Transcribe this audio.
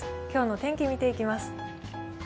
今日の天気、見ていきます。